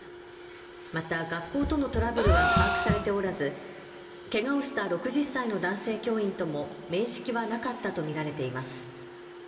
また学校とのトラブルは把握されておらずけがをした６０歳の男性教員とも面識はなかったと見られています。